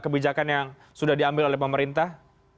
kebijakan yang sudah diambil oleh pemerintah